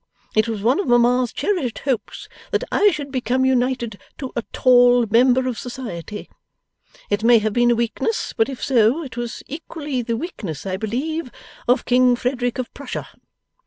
It was one of mamma's cherished hopes that I should become united to a tall member of society. It may have been a weakness, but if so, it was equally the weakness, I believe, of King Frederick of Prussia.